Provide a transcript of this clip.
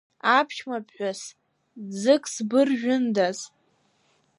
Аԥшәма ԥҳәыс, ӡык сбыржәындаз!